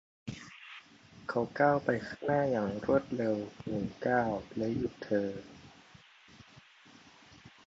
เขาก้าวไปข้างหน้าอย่างรวดเร็วหนึ่งก้าวและหยุดเธอ